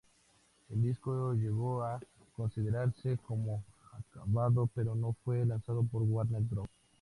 El disco llegó a considerarse como acabado, pero no fue lanzado por Warner Bros.